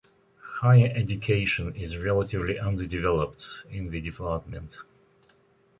Higher education is relatively underdeveloped in the department.